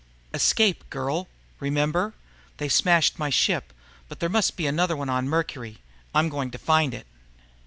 "Escape, girl. Remember? They smashed my ship. But there must be another one on Mercury. I'm going to find it."